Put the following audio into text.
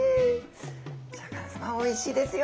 シャーク香音さまおいしいですよ。